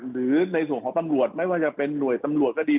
หรือในส่วนของตำรวจไม่ว่าจะเป็นหน่วยตำรวจก็ดี